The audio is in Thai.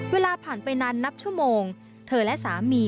เวลาผ่านไปนานนับชั่วโมงเธอและสามี